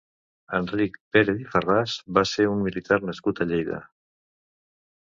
Enric Pérez i Farràs va ser un militar nascut a Lleida.